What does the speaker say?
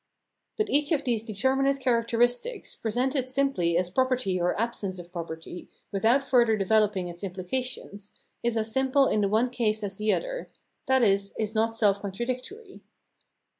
But each of these determinate characteristics, pre sented simply as property or absence of property without further developing its imphcations, is as simple in the one case as the other, i.e. is not self contradictory.